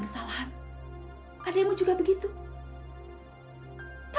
kenyataannya begitu pak